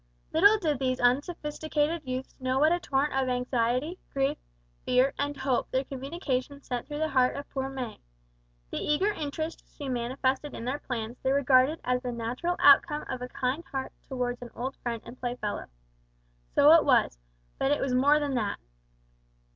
Little did these unsophisticated youths know what a torrent of anxiety, grief, fear, and hope their communication sent through the heart of poor May. The eager interest she manifested in their plans they regarded as the natural outcome of a kind heart towards an old friend and playfellow. So it was, but it was more than that!